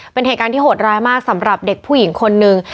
เป็นเหตุการณ์ที่โหดร้ายมากสำหรับเด็กผู้หญิงคนนึง